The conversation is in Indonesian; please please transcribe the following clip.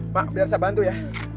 pak biar saya bantu ya